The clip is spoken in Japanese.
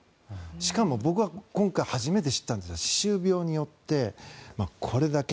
しかも僕が今回初めて知ったのは歯周病によって、これだけ。